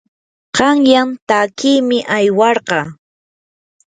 qanyan takiymi aywarqaa.